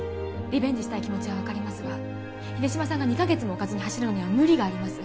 リベンジしたい気持ちは分かりますが秀島さんが２カ月も置かずに走るのには無理があります